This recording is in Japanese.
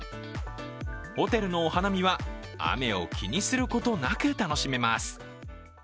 ホテルのお花見は、雨を気にすることなく楽しめます。